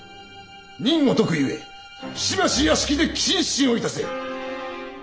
任を解くゆえしばし屋敷で謹慎をいたせ！